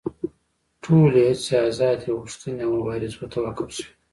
ټولې هڅې ازادي غوښتنې او مبارزو ته وقف شوې.